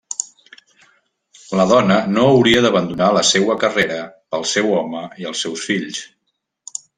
La dona no hauria d'abandonar la seua carrera pel seu home i els seus fills.